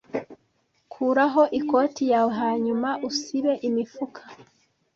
Kuraho ikoti yawe hanyuma usibe imifuka.